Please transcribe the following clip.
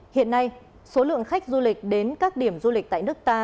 hiện nay số lượng khách du lịch đến các điểm du lịch tại nước ta